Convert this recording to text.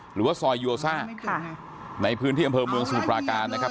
หรือว่าซอยโยซ่าในพื้นที่อำเภอเมืองสมุทรปราการนะครับ